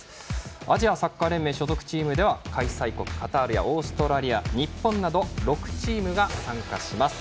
アジアサッカー連盟所属チームでは開催国カタールやオーストラリア、日本など６チームが参加します。